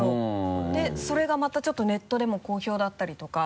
でそれがまたちょっとネットでも好評だったりとか。